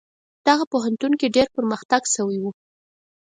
دغه پوهنتون کې ډیر پرمختګ شوی و.